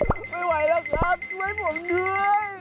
ไม่ไหวแล้วครับไม่ไหวผมเหนื่อย